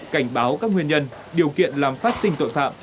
cảnh báo các nguyên nhân điều kiện làm phát sinh tội phạm